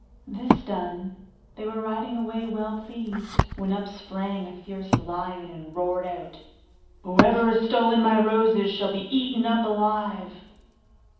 This done, they were riding away well pleased, when up sprang a fierce lion, and roared out, 'Whoever has stolen my roses shall be eaten up alive!